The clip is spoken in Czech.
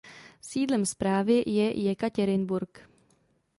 Sídlem správy je Jekatěrinburg.